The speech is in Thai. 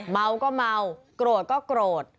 เม้าก็เม้ากรวดก็กรวด